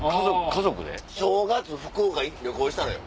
正月福岡を旅行したのよ。